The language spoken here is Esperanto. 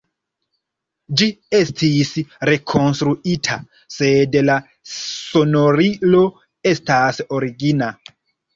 Ĝi estis rekonstruita, sed la sonorilo estas origina.